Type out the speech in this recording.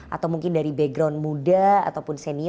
atau mungkin dari background muda ataupun dari negara